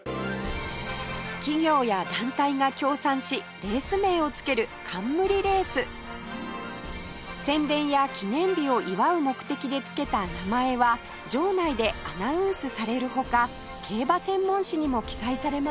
企業や団体が協賛しレース名をつける冠レース宣伝や記念日を祝う目的でつけた名前は場内でアナウンスされる他競馬専門誌にも記載されます